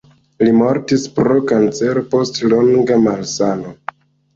Li mortis pro kancero post longa malsano.